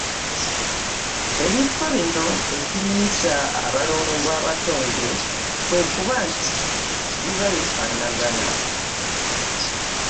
Ebifo bino ekibiyisa abalongo abatonde kwe kuba nti biba bifaanagana.